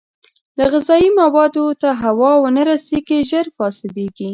که غذايي موادو ته هوا ونه رسېږي، ژر نه فاسېدېږي.